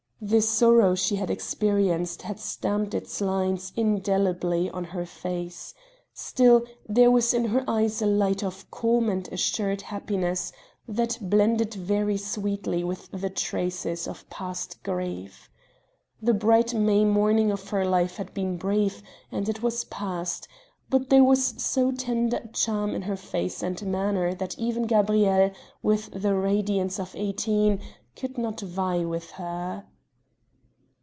The sorrow she had experienced had stamped its lines indelibly on her face; still, there was in her eyes a light of calm and assured happiness that blended very sweetly with the traces of past grief. The bright May morning of her life had been brief and it was past, but there was so tender a charm in her face and manner that even Gabrielle, with the radiance of eighteen, could not vie with her.